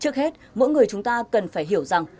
trước hết mỗi người chúng ta cần phải hiểu rằng